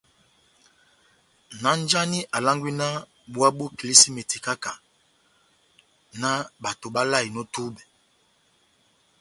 náh njáni alángwí náh búwá bó kilísímeti káha-káha, náh bato báláyeni ó túbɛ?